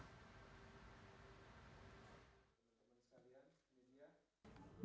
kementerian kesehatan dan komisi nasional kejadian ikutan pasca imunisasi